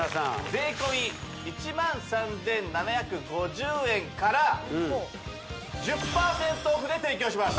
税込１３７５０円から１０％オフで提供します